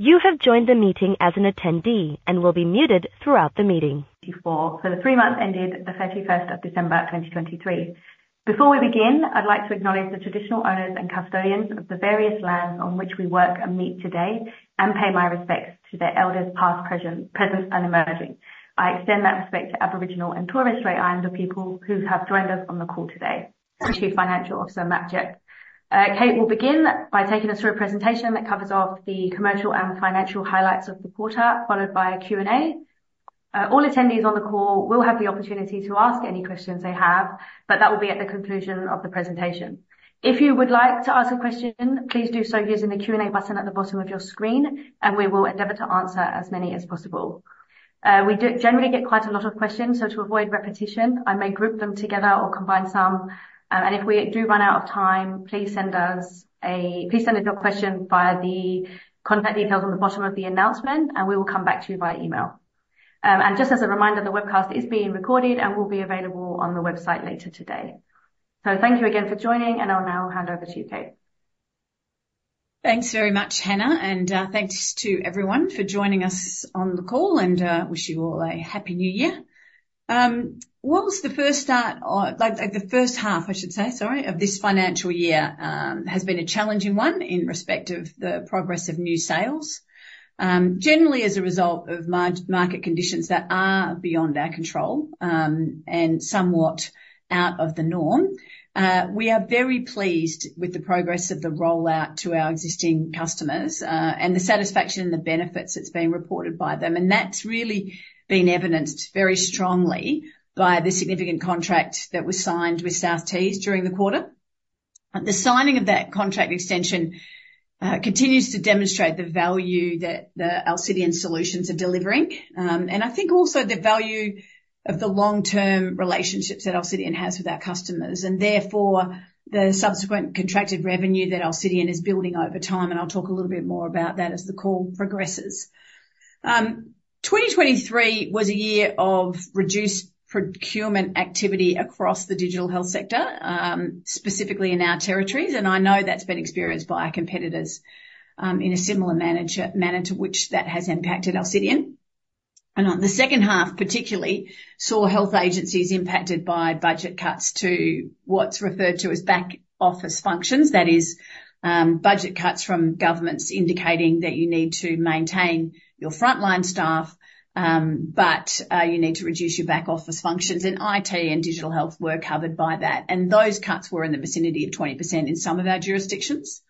You have joined the meeting as an attendee and will be muted throughout the meeting. For the three months ending the 31st of December, 2023. Before we begin, I'd like to acknowledge the traditional owners and custodians of the various lands on which we work and meet today, and pay my respects to their elders, past, present, and emerging. I extend that respect to Aboriginal and Torres Strait Islander people who have joined us on the call today. Managing Director, Kate Quirke. Kate will begin by taking us through a presentation that covers off the commercial and financial highlights of the quarter, followed by a Q&A. All attendees on the call will have the opportunity to ask any questions they have, but that will be at the conclusion of the presentation. If you would like to ask a question, please do so using the Q&A button at the bottom of your screen, and we will endeavor to answer as many as possible. We do generally get quite a lot of questions, so to avoid repetition, I may group them together or combine some. If we do run out of time, please send us your question via the contact details on the bottom of the announcement, and we will come back to you via email. Just as a reminder, the webcast is being recorded and will be available on the website later today. Thank you again for joining in, and I'll now hand over to you, Kate. Thanks very much, Hannah, and thanks to everyone for joining us on the call and wish you all a Happy New Year. While the first half, I should say, sorry, of this financial year has been a challenging one in respect of the progress of new sales, generally as a result of market conditions that are beyond our control and somewhat out of the norm, we are very pleased with the progress of the rollout to our existing customers and the satisfaction and the benefits that's being reported by them, and that's really been evidenced very strongly by the significant contract that was signed with South Tees during the quarter. The signing of that contract extension continues to demonstrate the value that the Alcidion solutions are delivering. And I think also the value of the long-term relationships that Alcidion has with our customers, and therefore the subsequent contracted revenue that Alcidion is building over time, and I'll talk a little bit more about that as the call progresses. 2023 was a year of reduced procurement activity across the digital health sector, specifically in our territories, and I know that's been experienced by our competitors, in a similar manner to which that has impacted Alcidion. And on the second half, particularly, saw health agencies impacted by budget cuts to what's referred to as back-office functions. That is, budget cuts from governments indicating that you need to maintain your frontline staff, but you need to reduce your back-office functions, and IT and digital health were covered by that. Those cuts were in the vicinity of 20% in some of our jurisdictions.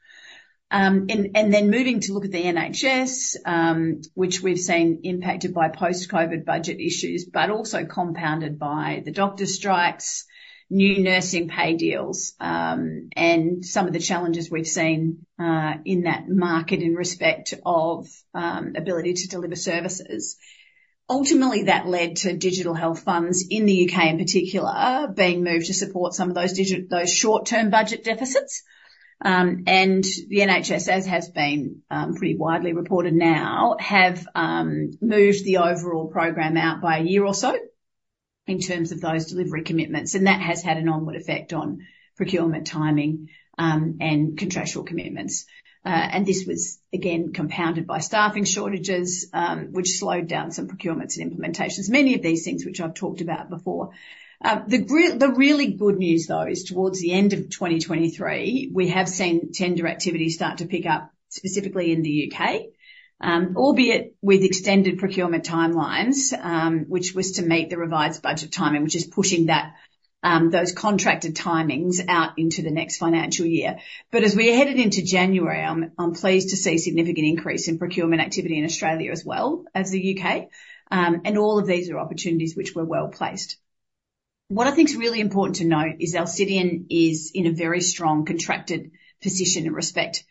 Then moving to look at the NHS, which we've seen impacted by post-COVID budget issues, but also compounded by the doctor strikes, new nursing pay deals, and some of the challenges we've seen in that market in respect of ability to deliver services. Ultimately, that led to digital health funds in the UK in particular being moved to support some of those short-term budget deficits. The NHS, as has been pretty widely reported now, have moved the overall program out by a year or so in terms of those delivery commitments, and that has had an onward effect on procurement timing and contractual commitments. This was again compounded by staffing shortages, which slowed down some procurements and implementations. Many of these things, which I've talked about before. The really good news, though, is towards the end of 2023, we have seen tender activity start to pick up specifically in the UK, albeit with extended procurement timelines, which was to meet the revised budget timing, which is pushing that, those contracted timings out into the next financial year. But as we headed into January, I'm pleased to see a significant increase in procurement activity in Australia as well as the UK. And all of these are opportunities which we're well placed. What I think is really important to note is Alcidion is in a very strong, contracted position in respect,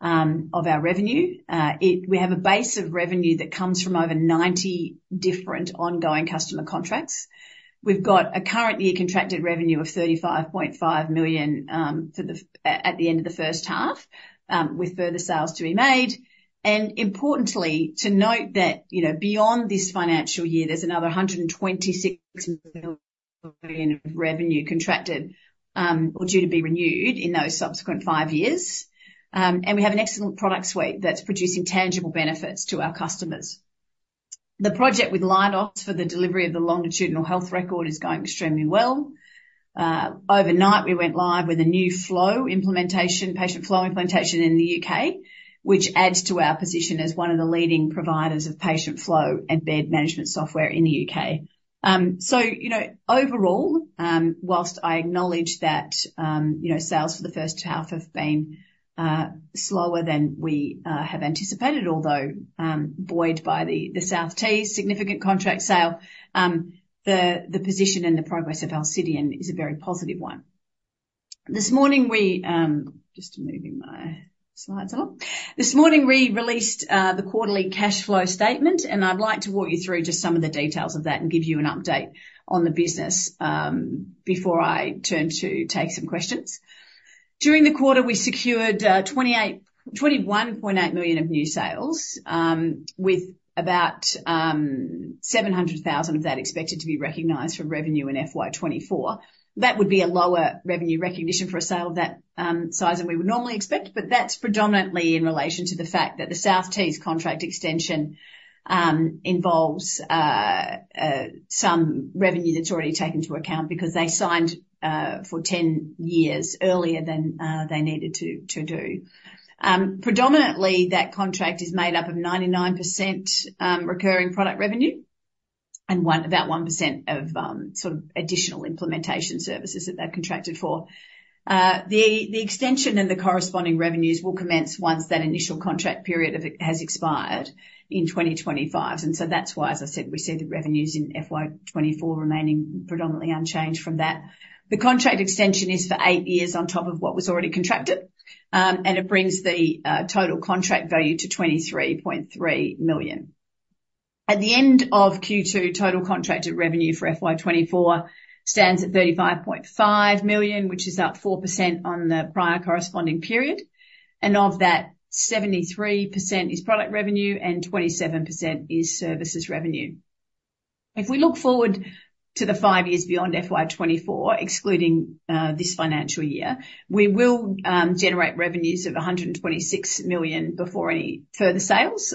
of our revenue. We have a base of revenue that comes from over 90 different ongoing customer contracts. We've got a current year contracted revenue of 35.5 million at the end of the first half with further sales to be made. Importantly, to note that, you know, beyond this financial year, there's another 126 million of revenue contracted or due to be renewed in those subsequent five years. We have an excellent product suite that's producing tangible benefits to our customers. The project with Leidos for the delivery of the longitudinal health record is going extremely well. Overnight, we went live with a new flow implementation, patient flow implementation in the U.K., which adds to our position as one of the leading providers of patient flow and bed management software in the U.K. So you know, overall, while I acknowledge that, you know, sales for the first half have been slower than we have anticipated, although, buoyed by the South Tees significant contract sale, the position and the progress of Alcidion is a very positive one. This morning, we... Just moving my slides along. This morning, we released the quarterly cash flow statement, and I'd like to walk you through just some of the details of that and give you an update on the business, before I turn to take some questions. During the quarter, we secured 28.218 million of new sales, with about 700,000 of that expected to be recognized for revenue in FY 2024. That would be a lower revenue recognition for a sale of that size than we would normally expect, but that's predominantly in relation to the fact that the South Tees contract extension involves some revenue that's already taken into account because they signed for 10 years earlier than they needed to do. Predominantly, that contract is made up of 99% recurring product revenue and about 1% of sort of additional implementation services that they've contracted for. The extension and the corresponding revenues will commence once that initial contract period of it has expired in 2025, and so that's why, as I said, we see the revenues in FY 2024 remaining predominantly unchanged from that. The contract extension is for eight years on top of what was already contracted, and it brings the total contract value to 23.3 million. At the end of Q2, total contracted revenue for FY 2024 stands at 35.5 million, which is up 4% on the prior corresponding period, and of that, 73% is product revenue and 27% is services revenue. If we look forward to the five years beyond FY 2024, excluding this financial year, we will generate revenues of 126 million before any further sales,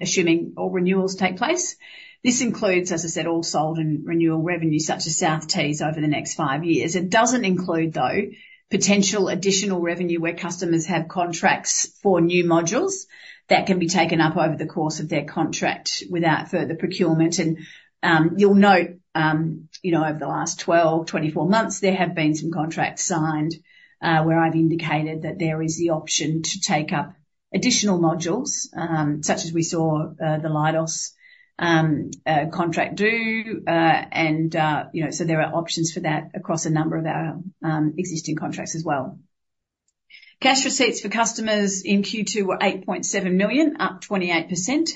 assuming all renewals take place. This includes, as I said, all sold and renewal revenue, such as South Tees, over the next five years. It doesn't include, though, potential additional revenue where customers have contracts for new modules that can be taken up over the course of their contract without further procurement. And, you'll note, you know, over the last 12, 24 months, there have been some contracts signed, where I've indicated that there is the option to take up additional modules, such as we saw, the Leidos contract do. And you know, so there are options for that across a number of our existing contracts as well. Cash receipts for customers in Q2 were 8.7 million, up 28%,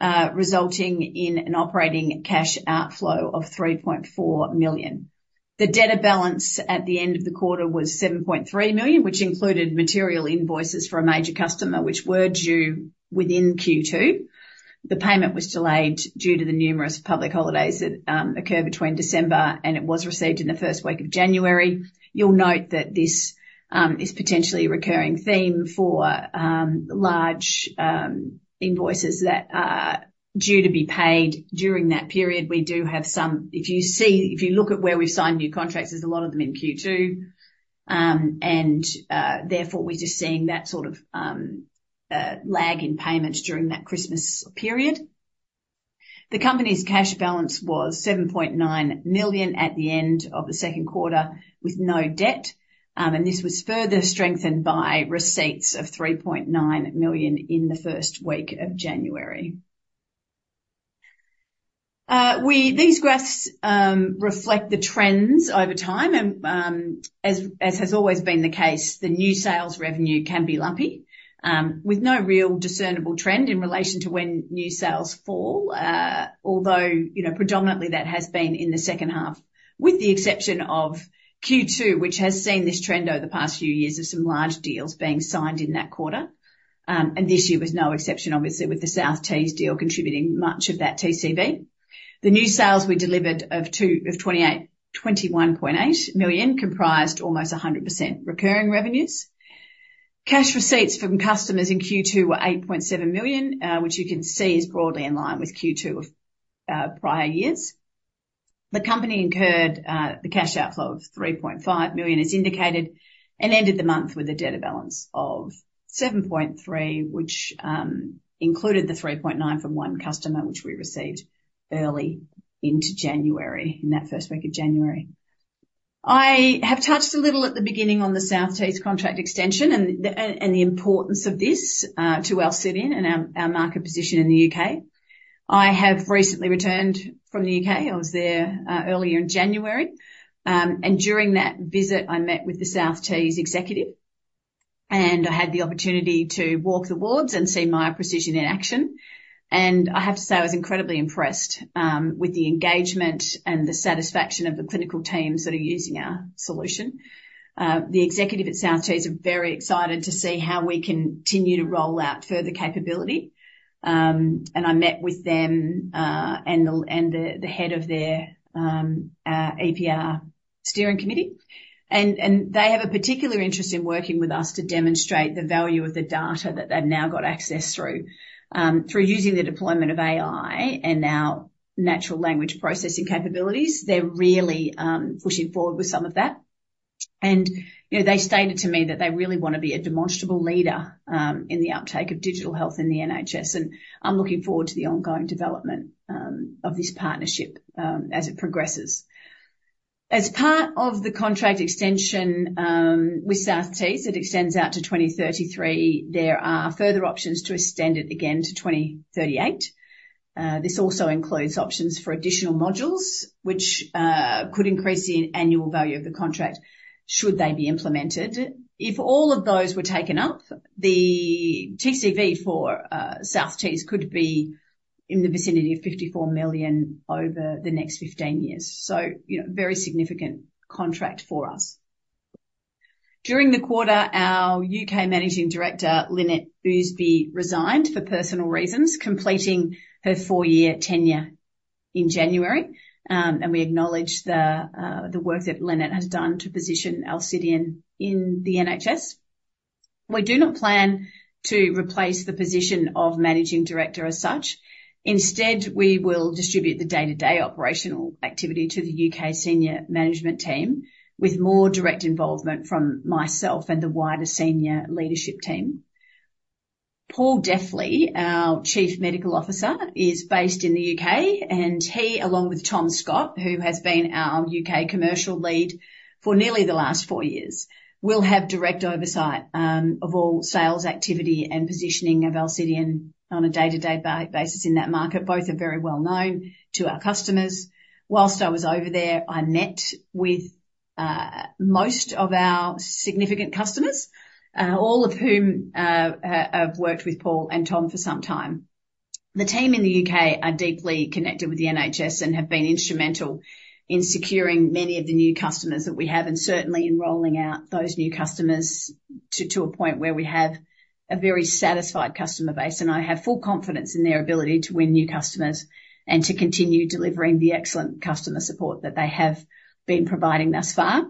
resulting in an operating cash outflow of 3.4 million. The debtor balance at the end of the quarter was 7.3 million, which included material invoices for a major customer, which were due within Q2. The payment was delayed due to the numerous public holidays that occur between December and it was received in the first week of January. You'll note that this is potentially a recurring theme for large invoices that are due to be paid during that period. If you look at where we've signed new contracts, there's a lot of them in Q2. Therefore, we're just seeing that sort of lag in payments during that Christmas period. The company's cash balance was 7.9 million at the end of the second quarter, with no debt, and this was further strengthened by receipts of 3.9 million in the first week of January. These graphs reflect the trends over time, and, as has always been the case, the new sales revenue can be lumpy, with no real discernible trend in relation to when new sales fall. Although, you know, predominantly, that has been in the second half, with the exception of Q2, which has seen this trend over the past few years of some large deals being signed in that quarter. And this year was no exception, obviously, with the South Tees deal contributing much of that TCV. The new sales we delivered of 21.8 million comprised almost 100% recurring revenues. Cash receipts from customers in Q2 were 8.7 million, which you can see is broadly in line with Q2 of prior years. The company incurred the cash outflow of 3.5 million, as indicated, and ended the month with a debtor balance of 7.3, which included the 3.9 from one customer, which we received early into January, in that first week of January. I have touched a little at the beginning on the South Tees contract extension and the importance of this to Alcidion and our market position in the UK. I have recently returned from the UK. I was there earlier in January, and during that visit, I met with the South Tees executive, and I had the opportunity to walk the wards and see Miya Precision in action. And I have to say, I was incredibly impressed with the engagement and the satisfaction of the clinical teams that are using our solution. The executives at South Tees are very excited to see how we continue to roll out further capability. And I met with them, and the head of their EPR steering committee, and they have a particular interest in working with us to demonstrate the value of the data that they've now got access through. Through using the deployment of AI and our natural language processing capabilities, they're really pushing forward with some of that. And you know, they stated to me that they really want to be a demonstrable leader in the uptake of digital health in the NHS, and I'm looking forward to the ongoing development of this partnership as it progresses. As part of the contract extension with South Tees, it extends out to 2033. There are further options to extend it again to 2038. This also includes options for additional modules, which could increase the annual value of the contract should they be implemented. If all of those were taken up, the TCV for South Tees could be in the vicinity of 54 million over the next 15 years. So, you know, very significant contract for us. During the quarter, our UK Managing Director, Lynette Ousby, resigned for personal reasons, completing her 4-year tenure in January. And we acknowledge the work that Lynette has done to position Alcidion in the NHS. We do not plan to replace the position of managing director as such. Instead, we will distribute the day-to-day operational activity to the UK Senior Management Team, with more direct involvement from myself and the wider senior leadership team. Paul Deffley, our Chief Medical Officer, is based in the UK, and he, along with Tom Scott, who has been our UK commercial lead for nearly the last four years, will have direct oversight of all sales activity and positioning of Alcidion on a day-to-day basis in that market. Both are very well known to our customers. While I was over there, I met with most of our significant customers, all of whom have worked with Paul and Tom for some time. The team in the UK are deeply connected with the NHS and have been instrumental in securing many of the new customers that we have, and certainly in rolling out those new customers to a point where we have a very satisfied customer base, and I have full confidence in their ability to win new customers and to continue delivering the excellent customer support that they have been providing thus far.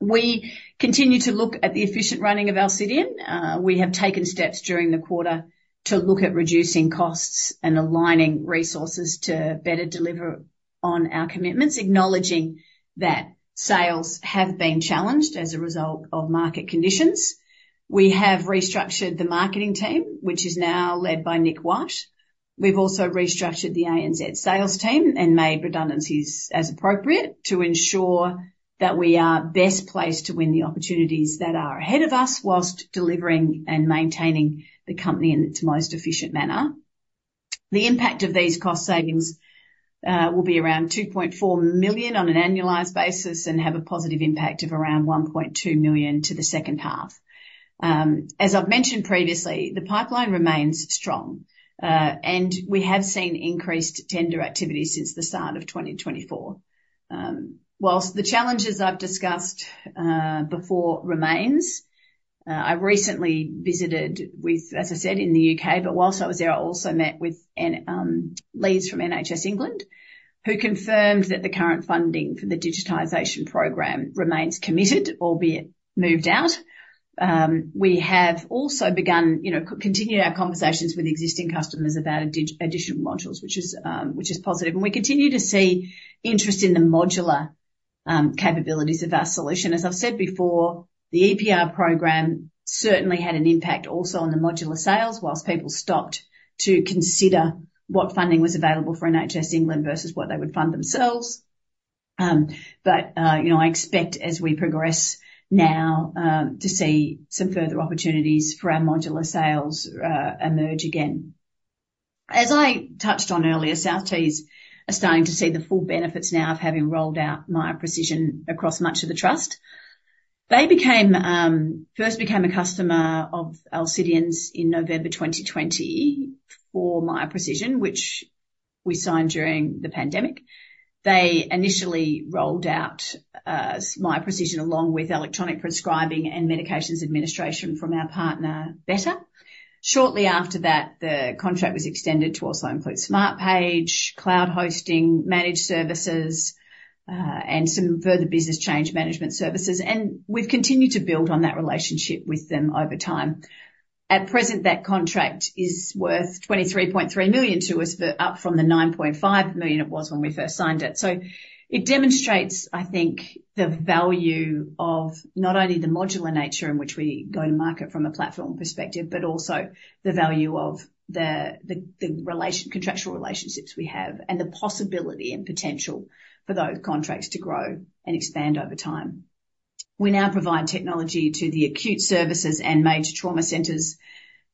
We continue to look at the efficient running of Alcidion. We have taken steps during the quarter to look at reducing costs and aligning resources to better deliver on our commitments, acknowledging that sales have been challenged as a result of market conditions. We have restructured the marketing team, which is now led by Nick White. We've also restructured the ANZ sales team and made redundancies as appropriate to ensure that we are best placed to win the opportunities that are ahead of us, while delivering and maintaining the company in its most efficient manner. The impact of these cost savings will be around 2.4 million on an annualized basis and have a positive impact of around 1.2 million to the second half. As I've mentioned previously, the pipeline remains strong, and we have seen increased tender activity since the start of 2024. While the challenges I've discussed before remains, I recently visited with, as I said, in the UK, but while I was there, I also met with leads from NHS England, who confirmed that the current funding for the Digitisation program remains committed, albeit moved out. We have also begun, you know, continuing our conversations with existing customers about additional modules, which is positive, and we continue to see interest in the modular capabilities of our solution. As I've said before, the EPR program certainly had an impact also on the modular sales, while people stopped to consider what funding was available for NHS England versus what they would fund themselves. But you know, I expect as we progress now to see some further opportunities for our modular sales emerge again. As I touched on earlier, South Tees are starting to see the full benefits now of having rolled out Miya Precision across much of the trust. They first became a customer of Alcidion's in November 2020 for Miya Precision, which we signed during the pandemic. They initially rolled out Miya Precision, along with electronic prescribing and medications administration from our partner, Better. Shortly after that, the contract was extended to also include Smartpage, cloud hosting, managed services, and some further business change management services, and we've continued to build on that relationship with them over time. At present, that contract is worth 23.3 million to us, up from the 9.5 million it was when we first signed it. So it demonstrates, I think, the value of not only the modular nature in which we go to market from a platform perspective, but also the value of the relation contractual relationships we have and the possibility and potential for those contracts to grow and expand over time. We now provide technology to the acute services and major trauma centers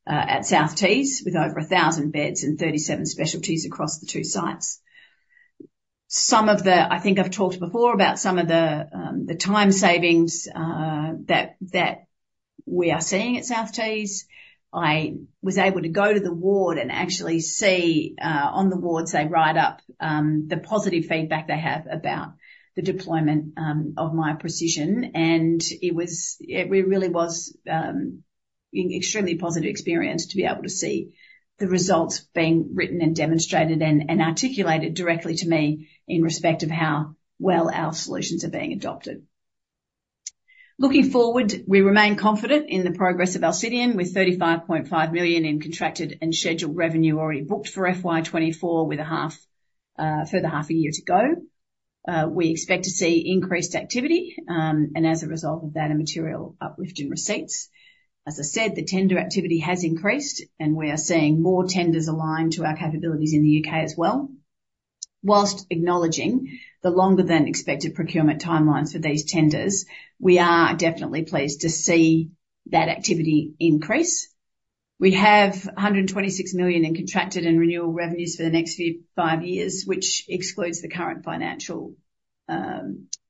at South Tees, with over 1,000 beds and 37 specialties across the two sites. Some of the... I think I've talked before about some of the time savings that we are seeing at South Tees. I was able to go to the ward and actually see on the wards they write up the positive feedback they have about the deployment of Miya Precision, and it was, it really was, an extremely positive experience to be able to see the results being written and demonstrated and articulated directly to me in respect of how well our solutions are being adopted. Looking forward, we remain confident in the progress of Alcidion, with 35.5 million in contracted and scheduled revenue already booked for FY 2024, with a half, further half a year to go. We expect to see increased activity, and as a result of that, a material uplift in receipts. As I said, the tender activity has increased, and we are seeing more tenders aligned to our capabilities in the UK as well. While acknowledging the longer than expected procurement timelines for these tenders, we are definitely pleased to see that activity increase. We have 126 million in contracted and renewal revenues for the next five years, which excludes the current financial,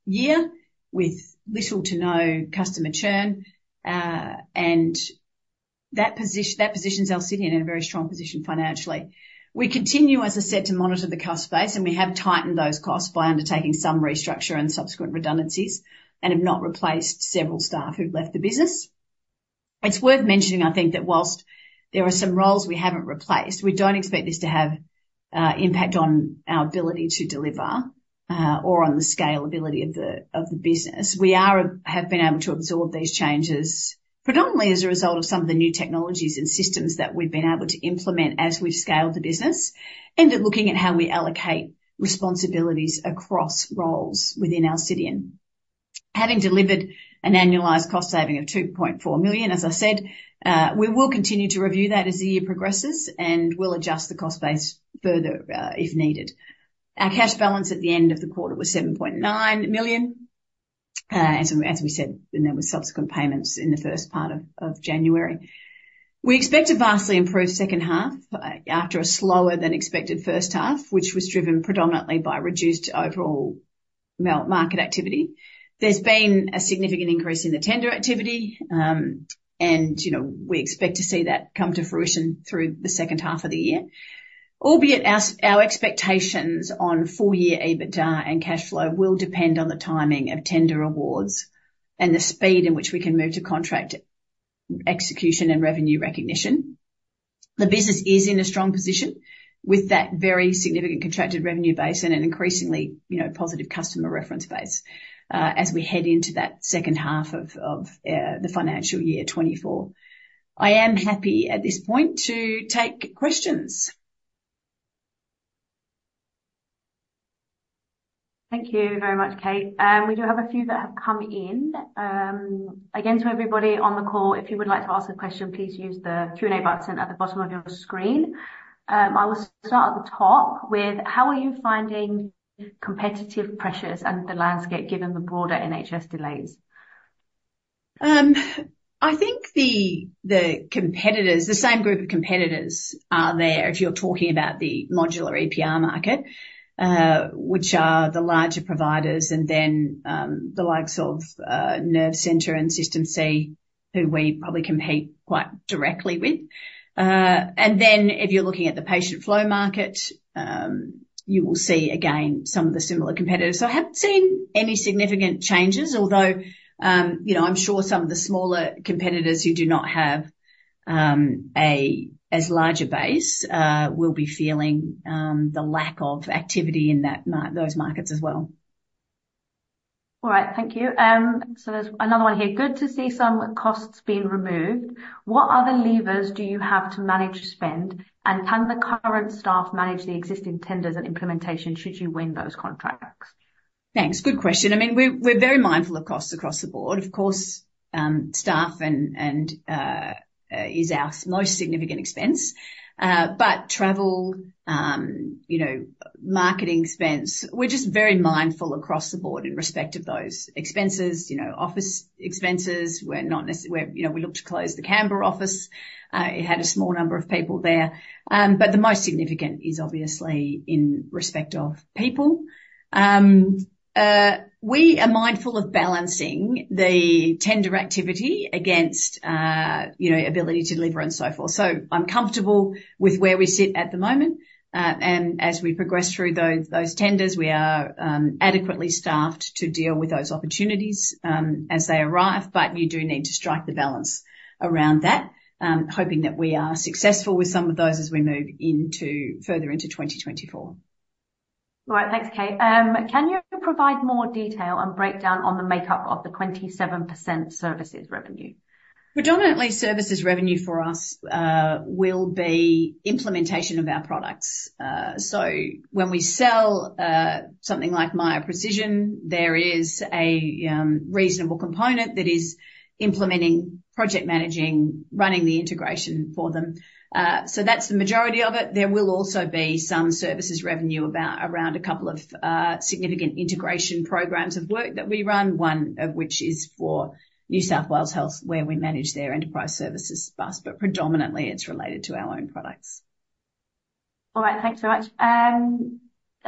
year, with little to no customer churn, and that position, that positions Alcidion in a very strong position financially. We continue, as I said, to monitor the cost base, and we have tightened those costs by undertaking some restructure and subsequent redundancies and have not replaced several staff who've left the business. It's worth mentioning, I think, that while there are some roles we haven't replaced, we don't expect this to have impact on our ability to deliver or on the scalability of the business. We are, have been able to absorb these changes, predominantly as a result of some of the new technologies and systems that we've been able to implement as we've scaled the business and are looking at how we allocate responsibilities across roles within Alcidion. Having delivered an annualized cost saving of 2.4 million, as I said, we will continue to review that as the year progresses, and we'll adjust the cost base further, if needed. Our cash balance at the end of the quarter was 7.9 million. As we said, and there was subsequent payments in the first part of January. We expect to vastly improve second half, after a slower than expected first half, which was driven predominantly by reduced overall market activity. There's been a significant increase in the tender activity, and, you know, we expect to see that come to fruition through the second half of the year. Albeit our expectations on full year EBITDA and cash flow will depend on the timing of tender awards and the speed in which we can move to contract execution and revenue recognition. The business is in a strong position with that very significant contracted revenue base and an increasingly, you know, positive customer reference base, as we head into that second half of the financial year 2024. I am happy at this point to take questions. Thank you very much, Kate. We do have a few that have come in. Again, to everybody on the call, if you would like to ask a question, please use the Q&A button at the bottom of your screen. I will start at the top with: How are you finding competitive pressures and the landscape, given the broader NHS delays? I think the competitors, the same group of competitors are there. If you're talking about the modular EPR market, which are the larger providers, and then the likes of Nervecentre and System C, who we probably compete quite directly with. And then if you're looking at the patient flow market, you will see again some of the similar competitors. So I haven't seen any significant changes, although you know, I'm sure some of the smaller competitors who do not have a as larger base will be feeling the lack of activity in those markets as well. All right, thank you. So there's another one here. Good to see some costs being removed. What other levers do you have to manage spend? And can the current staff manage the existing tenders and implementation should you win those contracts? Thanks. Good question. I mean, we're very mindful of costs across the board. Of course, staff and is our most significant expense. But travel, you know, marketing expense, we're just very mindful across the board in respect of those expenses. You know, office expenses, we're not necessarily where, you know, we looked to close the Canberra office. It had a small number of people there, but the most significant is obviously in respect of people. We are mindful of balancing the tender activity against, you know, ability to deliver and so forth. So I'm comfortable with where we sit at the moment, and as we progress through those tenders, we are adequately staffed to deal with those opportunities, as they arrive, but you do need to strike the balance around that. Hoping that we are successful with some of those as we move further into 2024. All right, thanks, Kate. Can you provide more detail and breakdown on the makeup of the 27% services revenue? Predominantly, services revenue for us will be implementation of our products. So when we sell something like Miya Precision, there is a reasonable component that is implementing, project managing, running the integration for them. So that's the majority of it. There will also be some services revenue about around a couple of significant integration programs of work that we run, one of which is for New South Wales Health, where we manage their enterprise services bus, but predominantly it's related to our own products. All right, thanks so much.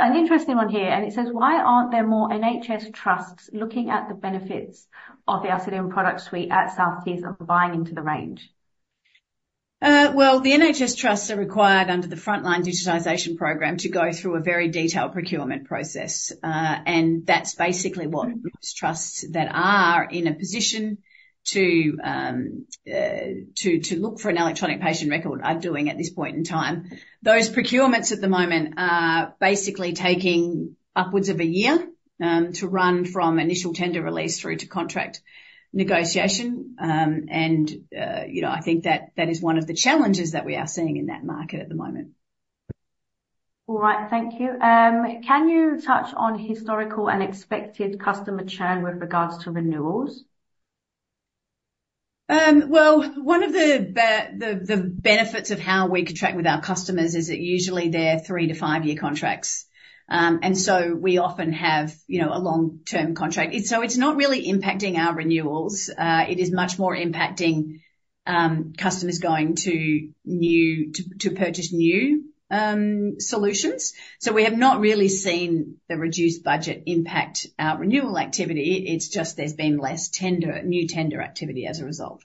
An interesting one here, and it says: Why aren't there more NHS trusts looking at the benefits of the Alcidion product suite at South Tees and buying into the range? Well, the NHS trusts are required under the Frontline Digitisation program to go through a very detailed procurement process. And that's basically what trusts that are in a position to look for an electronic patient record are doing at this point in time. Those procurements at the moment are basically taking upwards of a year to run from initial tender release through to contract negotiation. And you know, I think that is one of the challenges that we are seeing in that market at the moment. All right, thank you. Can you touch on historical and expected customer churn with regards to renewals? Well, one of the benefits of how we contract with our customers is that usually they're 3-5-year contracts. And so we often have, you know, a long-term contract. It's so it's not really impacting our renewals, it is much more impacting customers going to new to purchase new solutions. So we have not really seen the reduced budget impact our renewal activity. It's just there's been less tender, new tender activity as a result.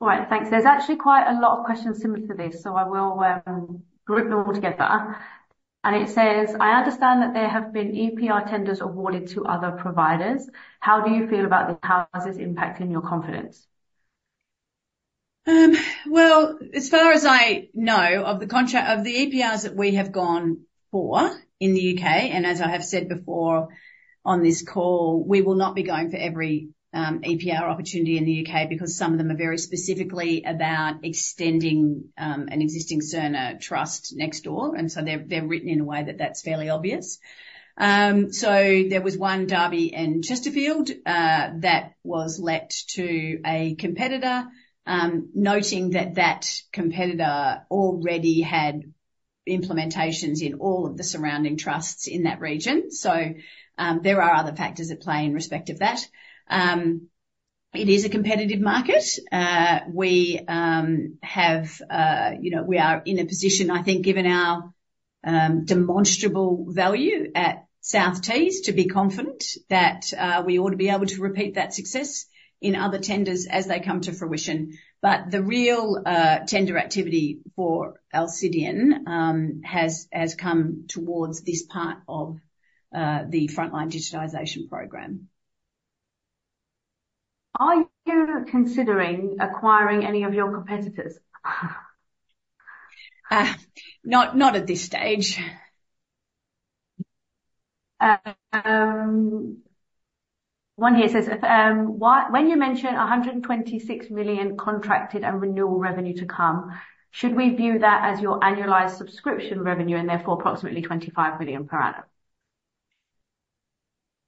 All right, thanks. There's actually quite a lot of questions similar to this, so I will group them all together. It says: I understand that there have been EPR tenders awarded to other providers. How do you feel about this? How is this impacting your confidence? Well, as far as I know of the contracts of the EPRs that we have gone for in the UK, and as I have said before on this call, we will not be going for every EPR opportunity in the UK because some of them are very specifically about extending an existing Cerner trust next door, and so they're written in a way that that's fairly obvious. So there was one, Derby and Chesterfield, that was let to a competitor, noting that that competitor already had implementations in all of the surrounding trusts in that region. So there are other factors at play in respect of that. It is a competitive market. We have, you know, we are in a position, I think, given our demonstrable value at South Tees, to be confident that we ought to be able to repeat that success in other tenders as they come to fruition. But the real tender activity for Alcidion has come towards this part of the Frontline Digitisation program. Are you considering acquiring any of your competitors? Not at this stage. One here says, why, when you mention 126 million contracted and renewal revenue to come, should we view that as your annualized subscription revenue and therefore approximately 25 million per annum?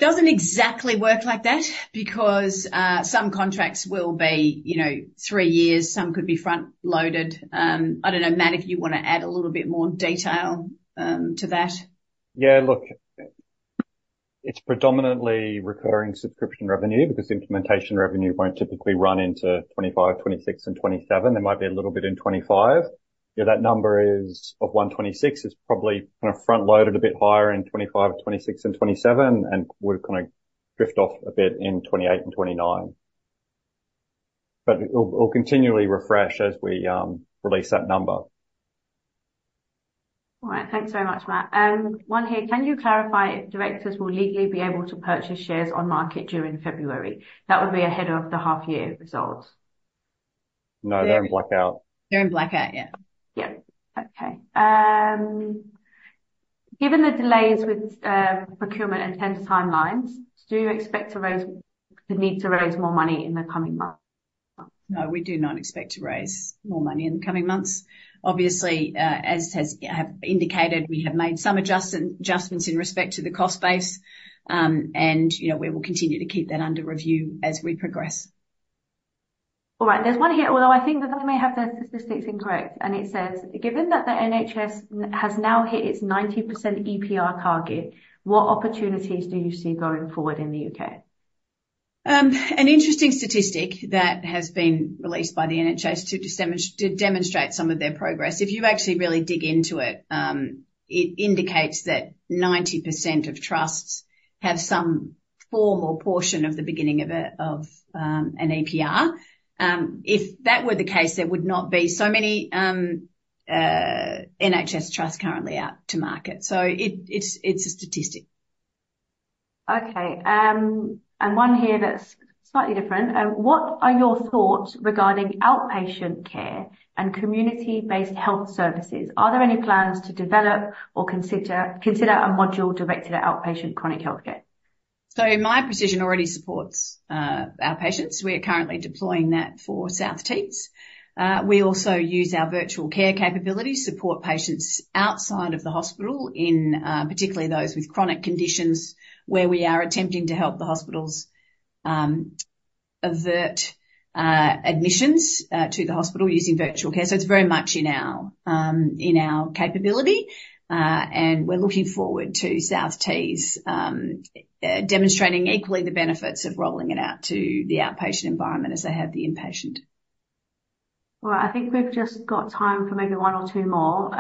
Doesn't exactly work like that because some contracts will be, you know, three years, some could be front-loaded. I don't know, Matt, if you want to add a little bit more detail to that. Yeah, look, it's predominantly recurring subscription revenue because implementation revenue won't typically run into 2025, 2026, and 2027. There might be a little bit in 2025. Yeah, that number is, of 126, is probably kind of front-loaded a bit higher in 2025, 2026, and 2027, and will kind of drift off a bit in 2028 and 2029. But it will continually refresh as we release that number. All right. Thanks so much, Matt. One here: Can you clarify if directors will legally be able to purchase shares on market during February? That would be ahead of the half year results. No, they're in blackout. They're in blackout. Yeah. Yeah. Okay. Given the delays with procurement and tender timelines, do you expect to raise the need to raise more money in the coming months? No, we do not expect to raise more money in the coming months. Obviously, as I have indicated, we have made some adjustments in respect to the cost base. And, you know, we will continue to keep that under review as we progress. All right. There's one here, although I think that they may have their statistics incorrect, and it says: Given that the NHS has now hit its 90% EPR target, what opportunities do you see going forward in the UK? An interesting statistic that has been released by the NHS to demonstrate some of their progress. If you actually really dig into it, it indicates that 90% of trusts have some form or portion of the beginning of an EPR. If that were the case, there would not be so many NHS trusts currently out to market. So it's a statistic. Okay, and one here that's slightly different. What are your thoughts regarding outpatient care and community-based health services? Are there any plans to develop or consider a module directed at outpatient chronic healthcare? So Miya Precision already supports our patients. We are currently deploying that for South Tees. We also use our virtual care capability to support patients outside of the hospital in, particularly those with chronic conditions, where we are attempting to help the hospitals avert admissions to the hospital using virtual care. So it's very much in our capability, and we're looking forward to South Tees demonstrating equally the benefits of rolling it out to the outpatient environment as they have the inpatient. Well, I think we've just got time for maybe one or two more.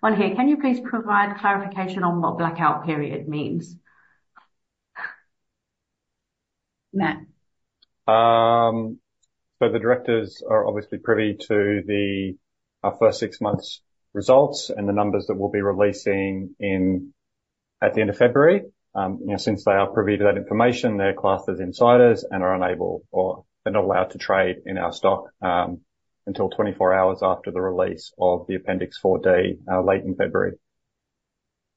One here: Can you please provide clarification on what blackout period means? Matt. So the directors are obviously privy to our first six months results and the numbers that we'll be releasing at the end of February. You know, since they are privy to that information, they're classed as insiders and are unable or they're not allowed to trade in our stock, until 24 hours after the release of the Appendix 4D, late in February.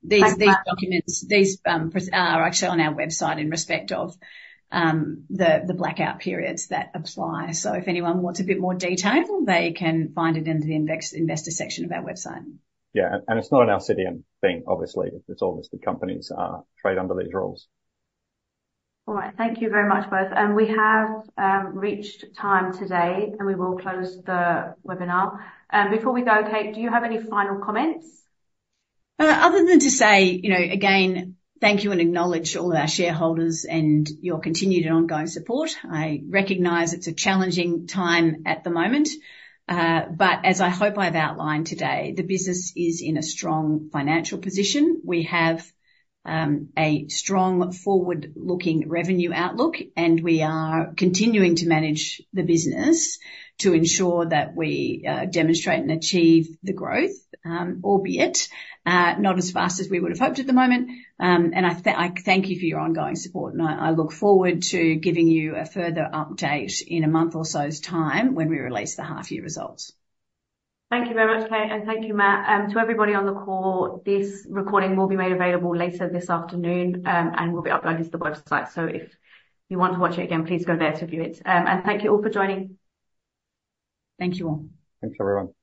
These documents are actually on our website in respect of the blackout periods that apply. So if anyone wants a bit more detail, they can find it in the Investors section of our website. Yeah, and it's not an Alcidion thing obviously. It's all listed companies trade under these rules. All right. Thank you very much, both. We have reached time today, and we will close the webinar. Before we go, Kate, do you have any final comments? Other than to say, you know, again, thank you and acknowledge all of our shareholders and your continued and ongoing support. I recognize it's a challenging time at the moment, but as I hope I've outlined today, the business is in a strong financial position. We have a strong forward-looking revenue outlook, and we are continuing to manage the business to ensure that we demonstrate and achieve the growth, albeit not as fast as we would have hoped at the moment. And I thank you for your ongoing support, and I look forward to giving you a further update in a month or so's time when we release the half-year results. Thank you very much, Kate, and thank you, Matt. To everybody on the call, this recording will be made available later this afternoon, and will be uploaded to the website. So if you want to watch it again, please go there to view it. And thank you all for joining. Thank you, all. Thanks, everyone.